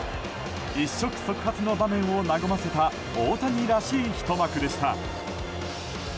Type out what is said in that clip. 一触即発の場面を和ませた大谷らしいひと幕でした。